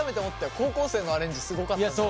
高校生のアレンジすごかった。